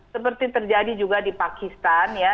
seperti terjadi juga di pakistan ya